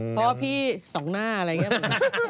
เพราะว่าพี่สองหน้าอะไรอย่างนี้